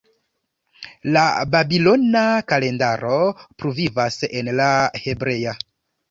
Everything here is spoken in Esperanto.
La babilona kalendaro pluvivas en la hebrea.